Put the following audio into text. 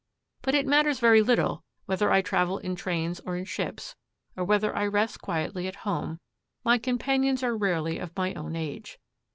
But it matters very little whether I travel in trains or in ships, or whether I rest quietly at home, my companions are rarely of my own age.